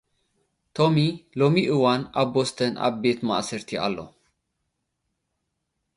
ቶሚ ሎሚ እውን ኣብ ቦስተን ኣብ ቤት ማእሰርቲ ኣሎ።